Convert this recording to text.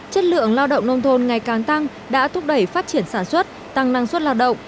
chất lượng lao động nông thôn ngày càng tăng đã thúc đẩy phát triển sản xuất tăng năng suất lao động